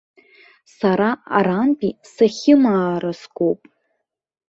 Сара арантәи сахьымаара сгоуп.